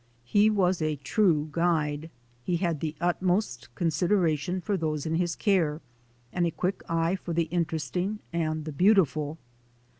He was a true guide. He had the utmost consideration for those in his care, and a quick eye for the inter esting and the beautiful.